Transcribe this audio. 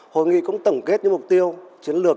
hội nghị cũng tổng kết những mục tiêu chiến lược